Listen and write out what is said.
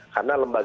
karena lembaga tvri